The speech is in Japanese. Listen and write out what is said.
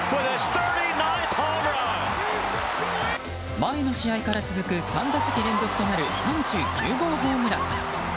前の試合から続く３打席連続となる３９号ホームラン。